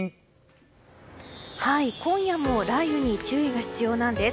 今夜も雷雨に注意が必要なんです。